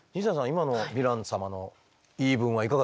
今のヴィラン様の言い分はいかがですか？